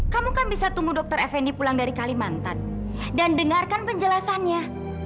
kamu kan bisa tunggu dr effendi pulang dari kalimantan dan dengarkan penjelasannya